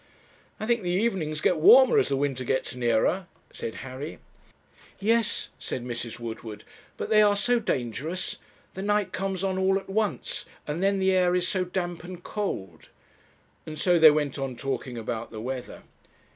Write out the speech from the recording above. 'I think the evenings get warmer as the winter gets nearer,' said Harry. 'Yes,' said Mrs. Woodward, 'but they are so dangerous. The night comes on all at once, and then the air is so damp and cold.' And so they went on talking about the weather.